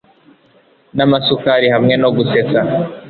Namasukari hamwe no gusetsa